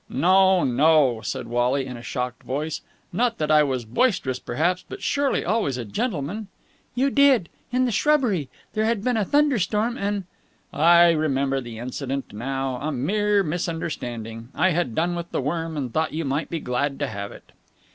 "No, no," said Wally in a shocked voice. "Not that! I was boisterous, perhaps, but surely always the gentleman." "You did! In the shrubbery. There had been a thunderstorm and...." "I remember the incident now. A mere misunderstanding. I had done with the worm, and thought you might be glad to have it."